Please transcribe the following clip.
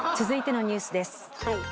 続いてのニュースです。